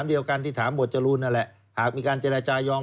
มันมีคดีอายาอีกครับ